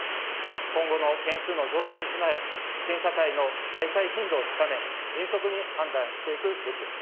今後の件数の増大に備え、審査会の開催頻度を高め、迅速に判断していくべきです。